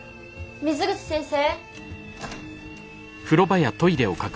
水口先生？